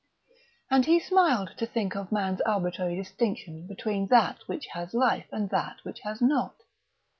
And he smiled to think of man's arbitrary distinction between that which has life and that which has not.